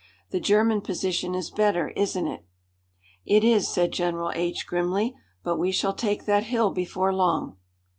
"The German position is better, isn't it?" "It is," said General H grimly. "But we shall take that hill before long."